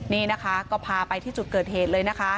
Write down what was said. นี่นะคะก็พาไปที่จุดเกิดเหตุเลยนะคะ